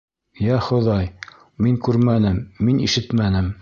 — Йә Хоҙай, мин күрмәнем, мин ишетмәнем.